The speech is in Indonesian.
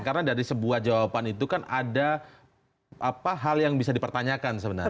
karena dari sebuah jawaban itu kan ada apa hal yang bisa dipertanyakan sebenarnya